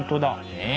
ねえ。